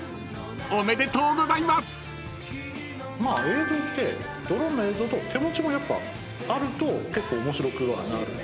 映像ってドローンの映像と手持ちもやっぱあると結構面白くはなる。